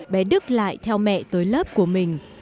bé đức lại theo mẹ tới lớp của mình